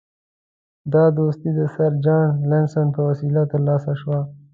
دا دوستي د سر جان لارنس په وسیله ترلاسه شوه.